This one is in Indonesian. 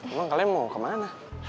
emang kalian mau kemana